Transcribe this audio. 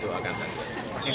oh yang itu lagi